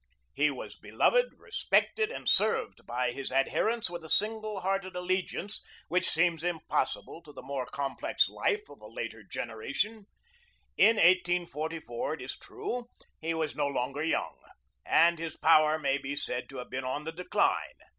He was beloved, respected, and served by his adherents with a single hearted allegiance which seems impossible to the more complex life of a later generation. In 1844, it is true, he was no longer young, and his power may be said to have been on the decline.